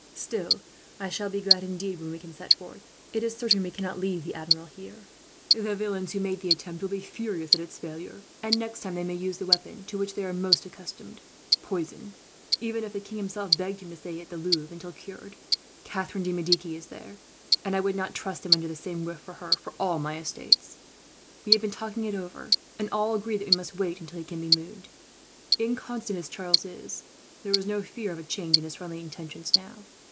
Still, I shall be glad, indeed, when we can set forth. "It is certain we cannot leave the Admiral here. The villains who are responsible for the attempt will be furious at its failure, and next time they may use the weapon to which they are most accustomed poison. Even if the king himself begged him to stay at the Louvre, until cured, Catharine de Medici is there; and I would not trust him under the same roof with her, for all my estates. "We have been talking it over, and all agree that we must wait until he can be moved. Inconstant as Charles is, there can be no fear of a change in his friendly intentions now.